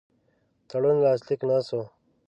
تړون لاسلیک نه سو.